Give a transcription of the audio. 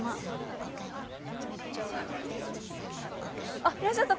あっいらっしゃった。